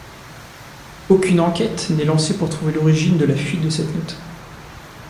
Aucune enquête n'est lancée pour trouver l'origine de la fuite de cette note.